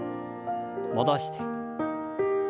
戻して。